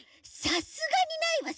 さすがにないわ。